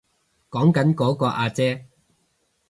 講緊嗰個阿姐